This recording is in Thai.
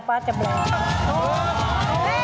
เกมรับจำนำ